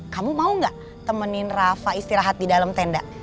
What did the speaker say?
kamu mau gak temenin rafa istirahat di dalam tenda